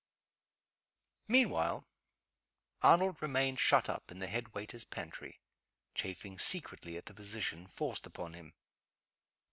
MEANWHILE Arnold remained shut up in the head waiter's pantry chafing secretly at the position forced upon him.